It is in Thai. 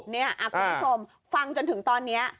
คุณผู้ชมฟังจนถึงตอนนี้